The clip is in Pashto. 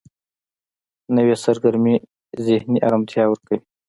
نوې سرګرمي ذهني آرامتیا ورکوي